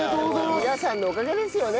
皆さんのおかげですよね。